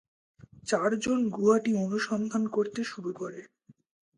চারজন গুহাটি অনুসন্ধান করতে শুরু করে।